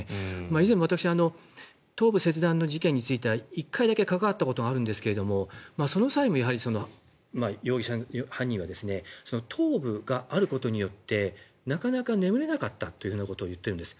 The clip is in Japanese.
以前も私、頭部切断の事件について１回だけ関わったことがあるんですがその際も、犯人は頭部があることによってなかなか眠れなかったということを言っているんです。